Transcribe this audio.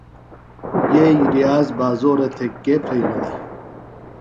ݨ یئی ریاض بازورہ تھےۡ کے پھرئِلوۡ دےۡ؟